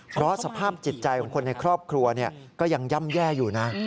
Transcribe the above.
เพราะสภาพจิตใจของคนในครอบครัวก็ยังย่ำแย่อยู่นะ